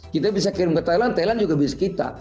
kita bisa kirim ke thailand thailand juga bisa kita